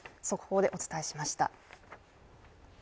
速報でお伝えしました。